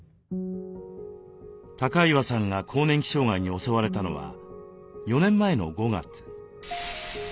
高岩さんが更年期障害に襲われたのは４年前の５月。